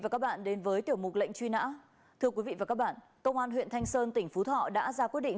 công an huyện thanh sơn tỉnh phú thọ đã ra quyết định